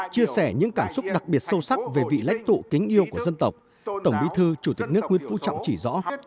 chia sẻ những cảm xúc đặc biệt sâu sắc về vị lãnh tụ kính yêu của dân tộc tổng bí thư chủ tịch nước nguyễn phú trọng chỉ rõ